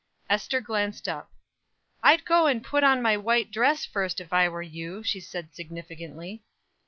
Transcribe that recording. Ester glanced up. "I'd go and put on my white dress first, if I were you," she said significantly.